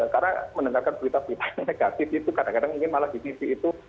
karena mendengarkan berita berita yang negatif itu kadang kadang ingin malah di tv itu